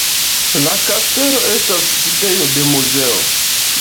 La kastelo estas sidejo de muzeo.